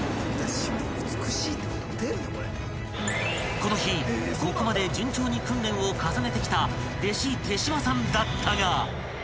［この日ここまで順調に訓練を重ねてきた弟子手島さんだったが］